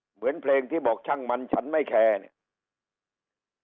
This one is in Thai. เหมือนเพลงที่บอกช่างมันฉันไม่แคร์เนี่ย